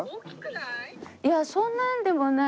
いやそんなんでもない。